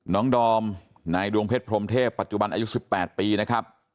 ดอมนายดวงเพชรพรมเทพปัจจุบันอายุ๑๘ปีนะครับ